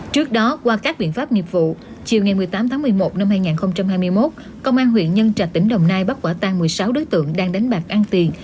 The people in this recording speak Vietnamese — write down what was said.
trước đó qua các biện pháp nghiệp vụ chiều ngày một mươi tám tháng một mươi một năm hai nghìn hai mươi một công an huyện nhân trạch tỉnh đồng nai bắt quả tang một mươi sáu đối tượng đang đánh bạc ăn tiền